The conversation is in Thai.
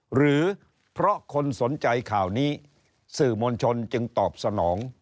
หรือเพราะคนสนใจข่าวนี้สื่อมวลชนจึงตอบสนอง